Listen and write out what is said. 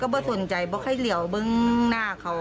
เขาก็ไม่สนใจเพราะค่อยเดี๋ยวเมืองหน้าเขา